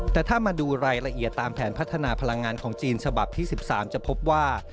แต่ถ้ามาดูรายละเอียดตามแผนพัฒนาพลังงานของจีนฉบับที่๑๓จะพบว่า